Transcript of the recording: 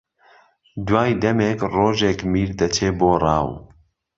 دوای دەمێک ڕۆژێک میر دەچێ بۆ ڕاو